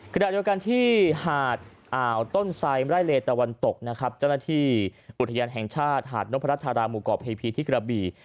ขณะเดียวกันที่หาดอ่าวต้นไซไร่เลตะวันตกนะครับเจ้าหน้าที่อุทยานแห่งชาติหาดนพรัชธาราหมู่เกาะเพพีที่กระบี่